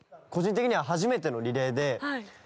個人的には初めてのリレーで。